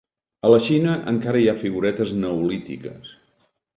A la Xina, encara hi ha figuretes neolítiques.